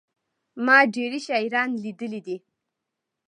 ما ډېري شاعران لېدلي دي.